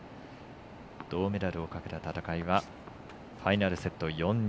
銅メダルをかけた戦いはファイナルセット４−２。